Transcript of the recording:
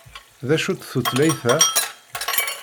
D acu-tt tutlayt-a?